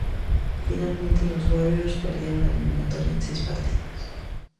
Finalmente, los Warriors perdieron la eliminatoria en seis partidos.